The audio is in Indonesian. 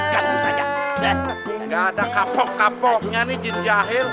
gak ada kapok kapoknya nih jin jahil